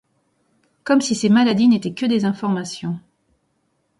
Comme si ces maladies n’étaient que des informations.